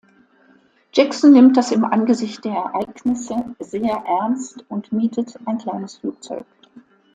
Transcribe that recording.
Jackson nimmt das im Angesicht der Ereignisse sehr ernst und mietet ein kleines Flugzeug.